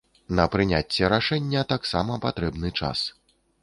На прыняцце рашэння таксама патрэбны час.